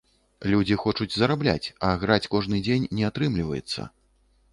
Людзі хочуць зарабляць, а граць кожны дзень не атрымліваецца.